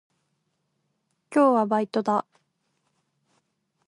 今日はバイトだ。